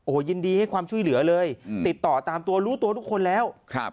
โอ้โหยินดีให้ความช่วยเหลือเลยติดต่อตามตัวรู้ตัวทุกคนแล้ว